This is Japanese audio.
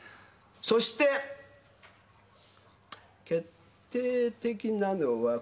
そして決定的なのはこれです。